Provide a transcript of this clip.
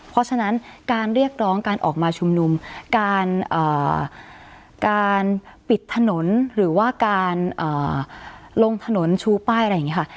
เพราะฉะนั้นการเรียกร้องการออกมาชุมนุมการปิดถนนหรือว่าการลงถนนชูป้ายอะไรอย่างนี้ค่ะ